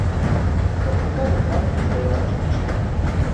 На трухлявым ганку стаяла жанчына.